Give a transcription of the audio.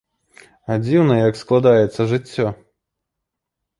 А дзіўна як складаецца жыццё!